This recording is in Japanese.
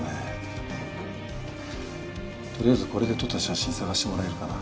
とりあえずこれで撮った写真探してもらえるかな？